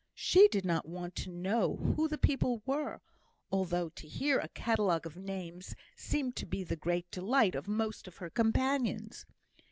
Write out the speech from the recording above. She did not want to know who the people were; although to hear a catalogue of names seemed to be the great delight of most of her companions.